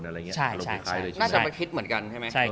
ใช่น่าจะมีคลิตเหมือนกันใช่มั้ย